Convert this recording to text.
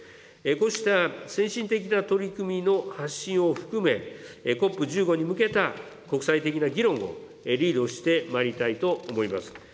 こうした先進的な取り組みの発信を含め、ＣＯＰ１５に向けた国際的な議論をリードしてまいりたいと思います。